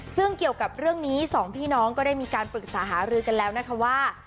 ซึ่งเกี่ยวกับเรื่องนี้สองพี่น้องก็ได้มีการปรึกษาหารือกันแล้วนะคะว่า